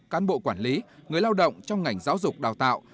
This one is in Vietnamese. cán bộ quản lý người lao động trong ngành giáo dục đào tạo